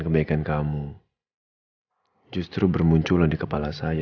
pak bos sama bu bos bersatu kembali